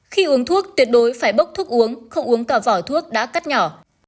khi uống thuốc tuyệt đối phải bốc thuốc uống không uống cả vỏ thuốc đã cắt nhỏ